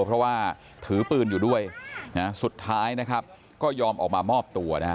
เพราะว่าถือปืนอยู่ด้วยสุดท้ายก็ยอมออกมามอบตัว